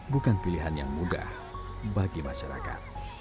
bukan pilihan yang mudah bagi masyarakat